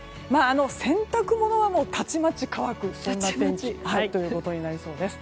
洗濯物はたちまち乾くそんな天気となりそうです。